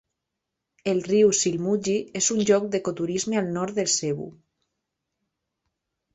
El riu Silmugi és un lloc d'ecoturisme al nord de Cebu.